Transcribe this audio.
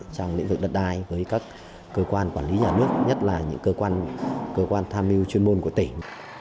trong lĩnh vực đất đai với các cơ quan quản lý nhà nước nhất là những cơ quan tham mưu chuyên môn của tỉnh